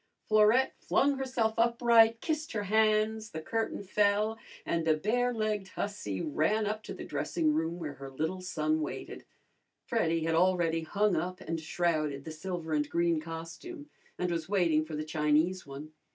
Florette flung herself upright, kissed her hands, the curtain fell, and the barelegged hussy ran up to the dressing room where her little son waited. Freddy had already hung up and shrouded the silver and green costume, and was waiting for the Chinese one.